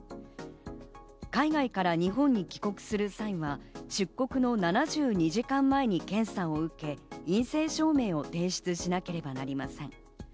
海外から日本に帰国する際は、出国の７２時間前に検査を受け、陰性証明を提出しなければなりません。